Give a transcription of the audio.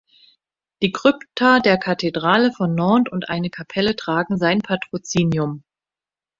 Die Krypta der Kathedrale von Nantes und eine Kapelle tragen sein Patrozinium.